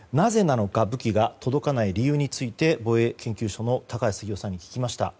武器が届かない理由について防衛研究所の高橋杉雄さんに聞きました。